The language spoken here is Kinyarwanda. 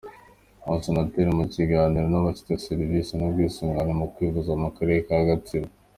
Abasenateri mu kiganiro n’abashinzwe serivisi z’ubwisungane mu kwivuza mu Karere ka Gatsibo.